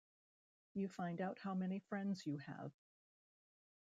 You find out how many friends you have.